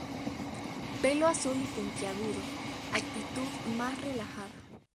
Pelo azul y puntiagudo, actitud más relajada.